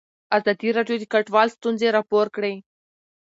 ازادي راډیو د کډوال ستونزې راپور کړي.